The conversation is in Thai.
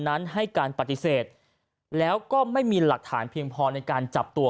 นั้นให้การปฏิเสธแล้วก็ไม่มีหลักฐานเพียงพอในการจับตัว